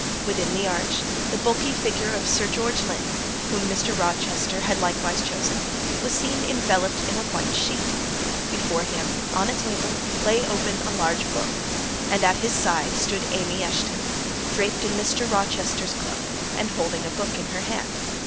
Within the arch, the bulky figure of Sir George Lynn, whom Mr. Rochester had likewise chosen, was seen enveloped in a white sheet: before him, on a table, lay open a large book; and at his side stood Amy Eshton, draped in Mr. Rochester's cloak, and holding a book in her hand.